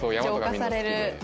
浄化される。